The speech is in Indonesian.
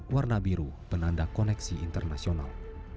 warna biru penanda koneksi internasional